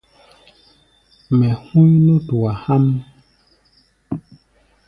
Mɛ hú̧í̧ nútua há̧ʼm.